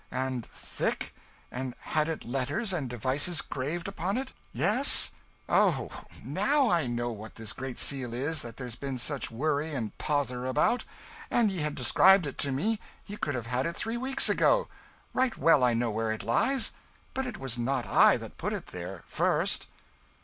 and thick? and had it letters and devices graved upon it? yes? Oh, now I know what this Great Seal is that there's been such worry and pother about. An' ye had described it to me, ye could have had it three weeks ago. Right well I know where it lies; but it was not I that put it there first."